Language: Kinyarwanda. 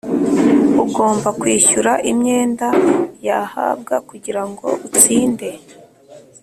ugomba kwishyura imyenda yahabwa kugira ngo utsinde